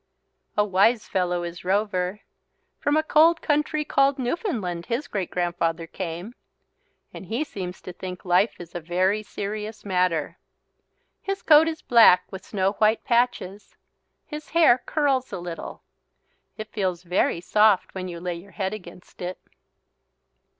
A wise fellow is Rover. From a cold country called Newfoundland his great grandfather came. And he seems to think life is a very serious matter. His coat is black with snow white patches. His hair curls a little. It feels very soft when you lay your head against it.